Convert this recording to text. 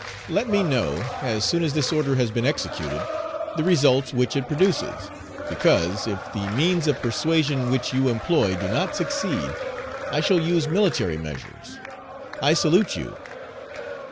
Let me know, as soon as this order has been executed, the results which it produces, because, if the means of persuasion which you employ do not succeed, I shall use military measures. I salute you."